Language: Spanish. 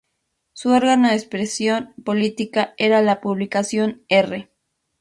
Su órgano de expresión política era la publicación "Erre".